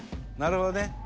なるほどね。